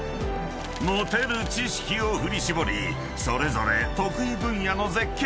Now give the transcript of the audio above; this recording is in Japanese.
［持てる知識を振り絞りそれぞれ得意分野の絶景